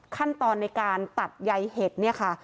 ขั้นตอนในการตัดใยเห็ดเนี่ยค่ะ